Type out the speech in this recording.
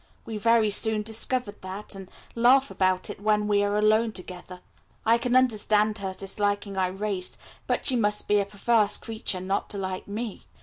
We very soon discovered that, and laugh about it when we are alone together. I can understand her disliking Irais, but she must be a perverse creature not to like me.